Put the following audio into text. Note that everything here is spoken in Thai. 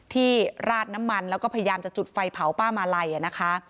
ราดน้ำมันแล้วก็พยายามจะจุดไฟเผาป้ามาลัยนะคะ